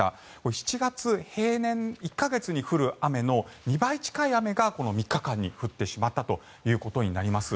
７月平年１か月に降る雨の２倍近い雨がこの３日間に降ってしまったということになります。